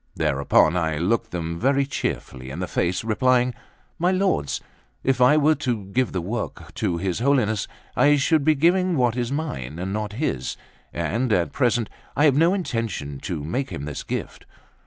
Thereupon I looked them very cheerfully in the face, replying: "My lords, if I were to give the work to his Holiness, I should be giving what is mine and not his, and at present I have no intention to make him this gift.